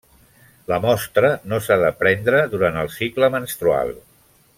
La mostra no s'ha de prendre durant el cicle menstrual.